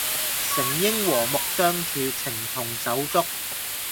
誠應和睦相處，情同手足